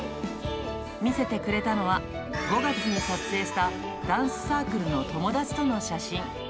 見せてくれたのは、５月に撮影したダンスサークルの友達との写真。